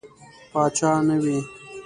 پاچا نه وي.